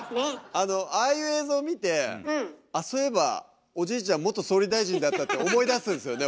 あのああいう映像見てあっそういえばおじいちゃん元総理大臣だったって思い出すんすよね